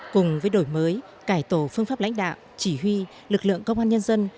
cùng với đổi mới cải tổ phương pháp lãnh đạo chỉ huy lực lượng công an nhân dân